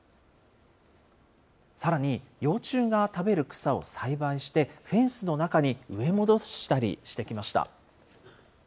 さらに幼虫が食べる草を栽培して、フェンスの中に植え戻したりしてきました。